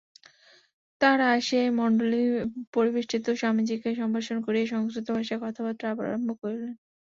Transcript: তাঁহারা আসিয়াই মণ্ডলীপরিবেষ্টিত স্বামীজীকে সম্ভাষণ করিয়া সংস্কৃতভাষায় কথাবার্তা আরম্ভ করিলেন।